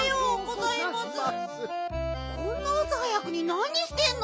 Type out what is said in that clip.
こんなあさ早くになにしてんの？